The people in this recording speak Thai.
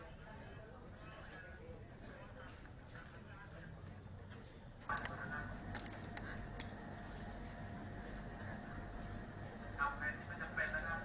อันนี้มีเหตุการณ์ล้อมธรรมิเหตุครั้งหนึ่ง